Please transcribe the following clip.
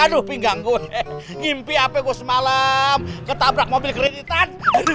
aduh pinggang gue ngimpi apa gua semalam ketabrak mobil keretitan